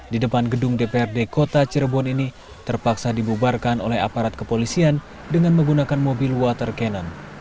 di depan gedung dprd kota cirebon ini terpaksa dibubarkan oleh aparat kepolisian dengan menggunakan mobil water cannon